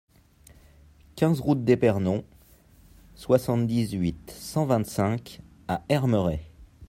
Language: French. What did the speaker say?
quinze route d'Épernon, soixante-dix-huit, cent vingt-cinq à Hermeray